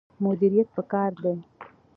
مدیریت پکار دی